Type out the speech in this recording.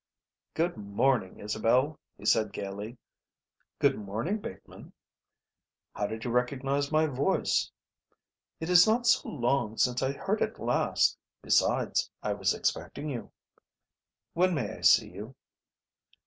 "Good morning, Isabel," he said gaily. "Good morning, Bateman." "How did you recognise my voice?" "It is not so long since I heard it last. Besides, I was expecting you." "When may I see you?"